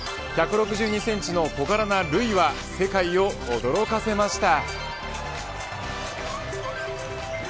１６２センチの小柄なルイは世界を驚かせました。